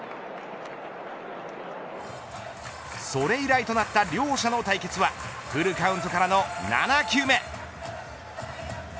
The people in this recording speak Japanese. それ以来となった両者の対決はフルカウントからの７球目。